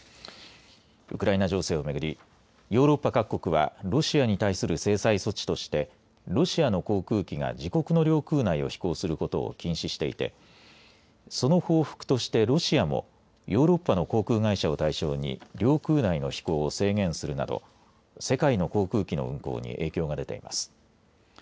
ウクライナ情勢をめぐりヨーロッパ各国はロシアに対する制裁措置としてロシアの航空機が自国の領空内を飛行することを禁止していてその報復としてロシアもヨーロッパの航空会社を対象に領空内の飛行を制限するなど世界の航空機の運航に影響が出ています。